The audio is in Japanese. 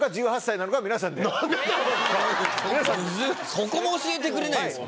そこも教えてくれないんですか？